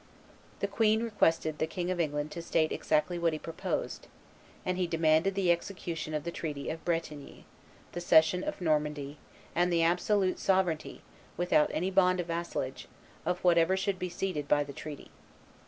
The queen requested the King of England to state exactly what he proposed; and he demanded the execution of the treaty of Bretigny, the cession of Normandy, and the absolute sovereignty, without any bond of vassalage, of whatever should be ceded by the treaty.